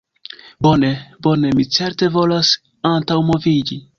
"Bone, bone. Mi certe volas antaŭmoviĝi."